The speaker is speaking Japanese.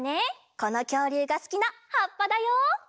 このきょうりゅうがすきなはっぱだよ。